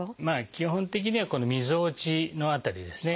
基本的にはこのみぞおちの辺りですね。